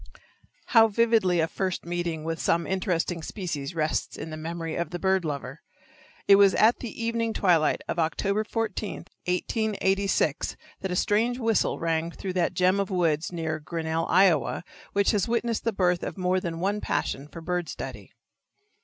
How vividly a first meeting with some interesting species rests in the memory of the bird lover! It was at the evening twilight of October 14, 1886, that a strange whistle rang through that gem of woods near Grinnell, Iowa, which has witnessed the birth of more than one passion for bird study.